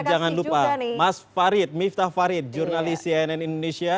dan jangan lupa mas farid miftah farid jurnalis cnn indonesia